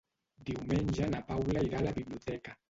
Diumenge na Paula irà a la biblioteca.